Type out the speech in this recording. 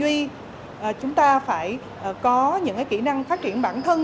kỹ năng về tư duy chúng ta phải có những kỹ năng phát triển bản thân